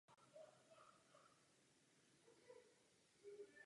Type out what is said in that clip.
Za hlavní výhodu lze považovat možnost jiné šířky programové a datové sběrnice.